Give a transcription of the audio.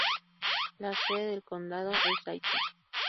La sede del condado es Dayton.